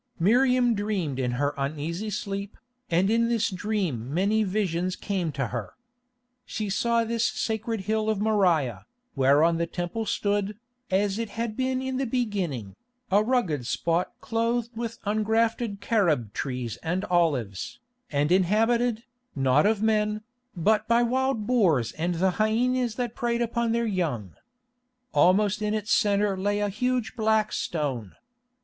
Miriam dreamed in her uneasy sleep, and in this dream many visions came to her. She saw this sacred hill of Moriah, whereon the Temple stood, as it had been in the beginning, a rugged spot clothed with ungrafted carob trees and olives, and inhabited, not of men, but by wild boars and the hyænas that preyed upon their young. Almost in its centre lay a huge black stone.